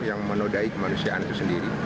yang menodaik manusia itu sendiri